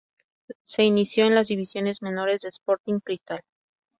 Se inició en las divisiones menores de Sporting Cristal.